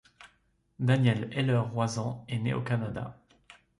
Daniel Heller-Roazen est né au Canada.